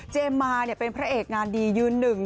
มาเป็นพระเอกงานดียืนหนึ่ง